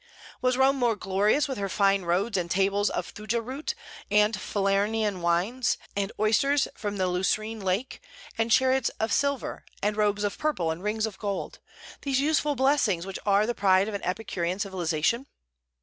Was Rome more glorious with her fine roads and tables of thuja root, and Falernian wines, and oysters from the Lucrine Lake, and chariots of silver, and robes of purple and rings of gold, these useful blessings which are the pride of an Epicurean civilization?